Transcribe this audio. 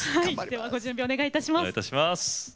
ではご準備お願いいたします。